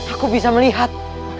aku bisa melihat